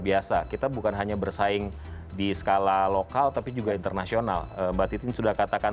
biasa kita bukan hanya bersaing di skala lokal tapi juga internasional mbak titin sudah katakan